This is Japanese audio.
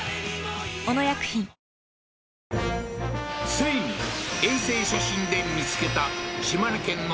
ついに衛星写真で見つけた島根県の